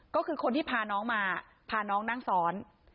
ก็คือคนที่พาน้องมาพาน้องนั่งซ้อน